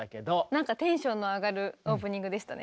なんかテンションの上がるオープニングでしたね。